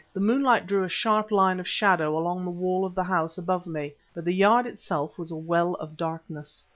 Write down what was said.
The moonlight drew a sharp line of shadow along the wall of the house above me, but the yard itself was a well of darkness.